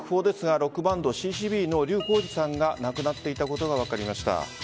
ロックバンドＣ‐Ｃ‐Ｂの笠浩二さんが亡くなっていたことが分かりました。